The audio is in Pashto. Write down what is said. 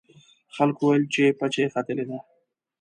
خلکو ویل چې پچه یې ختلې ده.